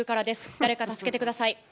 誰か助けてください。